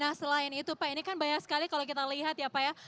nah selain itu pak ini kan banyak sekali kalau kita lihat ya pak ya